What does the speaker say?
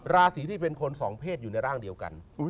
ราศีที่เป็นคนสองเพศอยู่ในร่างเดียวกัน